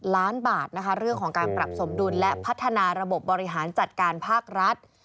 ล้านบาทนะคะเรื่องของการปรับสมดุลและพัฒนาระบบบบริหารจัดการภาครัฐ